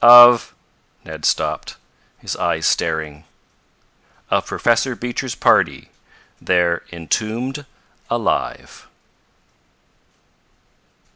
"Of " Ned stopped, his eyes staring. "Of Professor Beecher's party. They're entombed alive!"